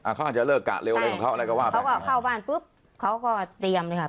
เขาอาจจะเลิกกะเร็วอะไรของเขาอะไรก็ว่าไปเขาก็เข้าบ้านปุ๊บเขาก็เตรียมเลยค่ะ